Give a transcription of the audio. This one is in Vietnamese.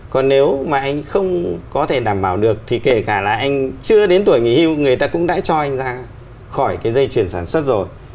còn nếu mà anh không có thể đảm bảo được thì kể cả là anh chưa đến tuổi nghỉ hưu người ta cũng đã cho anh ra khỏi cái dây chuyển sản xuất rồi